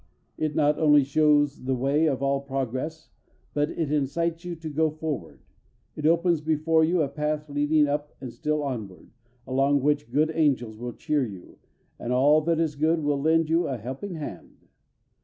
It not only shows the way of all progress, but it incites you to go forward. It opens before you a path leading up and still onward, along which good angels will cheer you, and all that is good will lend you a helping hand.